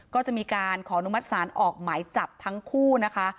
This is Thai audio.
ก็จะมีการขออนุมัติศาลออกหมายจับทั้งคู่นะคะ